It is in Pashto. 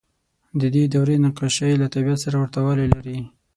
د دې دورې نقاشۍ له طبیعت سره ورته والی لري.